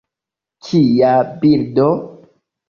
Kia bildo!